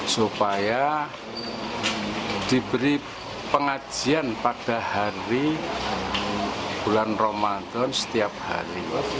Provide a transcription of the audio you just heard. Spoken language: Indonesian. supaya diberi pengajian pada hari bulan ramadan setiap hari